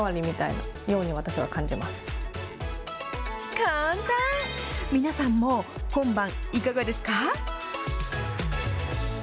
簡単、皆さんも今晩、いかがですか？